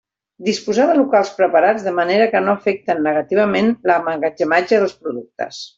Disposar de locals preparats de manera que no afecten negativament l'emmagatzematge dels productes.